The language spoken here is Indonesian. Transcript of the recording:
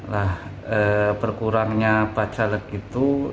nah berkurangnya bacalek itu